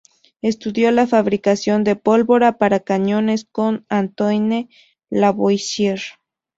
Estudió la fabricación de pólvora para cañones con Antoine Lavoisier.